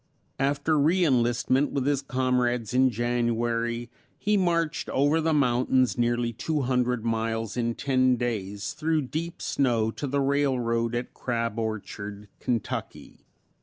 After re enlistment with his comrades in January he marched over the mountains nearly two hundred miles in ten days through deep snow to the railroad at Crab Orchard, Kentucky.